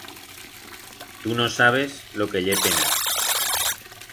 Tu no sabes lo que ye penar.